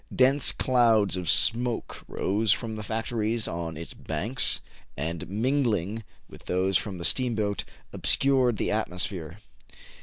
Dense clouds of smoke rose from the factories on its banks, and, mingling with those from the steamboat, obscured the atmosphere.